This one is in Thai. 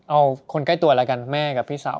เอาคนใกล้ตัวแล้วกันแม่กับพี่สาว